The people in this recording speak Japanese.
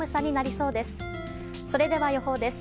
それでは予報です。